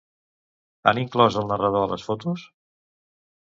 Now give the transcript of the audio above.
Han inclòs el narrador a les fotos?